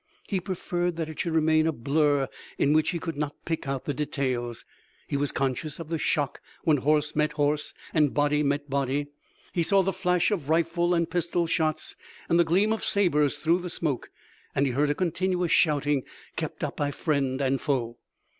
He preferred that it should remain a blur in which he could not pick out the details. He was conscious of the shock, when horse met horse and body met body. He saw the flash of rifle and pistol shots, and the gleam of sabers through the smoke, and he heard a continuous shouting kept up by friend and foe.